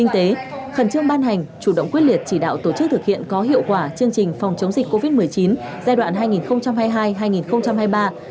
trương ban hành chủ động quyết liệt chỉ đạo tổ chức thực hiện có hiệu quả chương trình phòng chống dịch covid một mươi chín giai đoạn hai nghìn hai mươi hai hai nghìn hai mươi ba